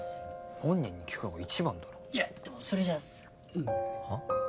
本人に聞くのが一番だろいやでもそれじゃさはっ？